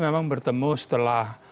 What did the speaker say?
memang bertemu setelah